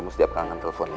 kamu setiap kangen telpon ya